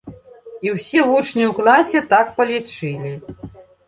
І ўсе вучні ў класе так палічылі.